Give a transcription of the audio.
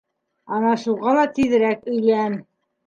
Ана шуға ла тиҙерәк өйлән.